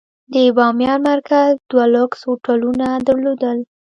د بامیان مرکز دوه لوکس هوټلونه درلودل.